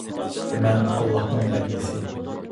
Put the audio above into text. مەن ئاللاھنىڭ بەندىسى